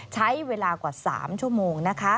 ใช้เวลากว่า๓ชั่วโมงนะคะ